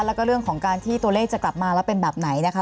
แล้วก็เรื่องของการที่ตัวเลขจะกลับมาแล้วเป็นแบบไหนนะคะ